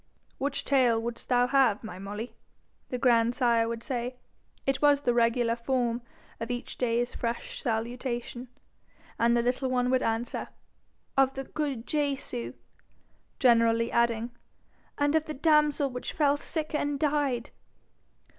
'Which tale wouldst thou have, my Molly?' the grandsire would say: it was the regular form of each day's fresh salutation; and the little one would answer, 'Of the good Jesu,' generally adding, 'and of the damsel which fell sick and died.'